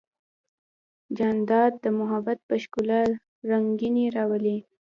جانداد د محبت په ښکلا رنګینی راولي.